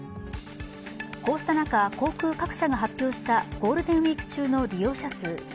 こうした中、航空各社が発表したゴールデンウイーク中の利用者数。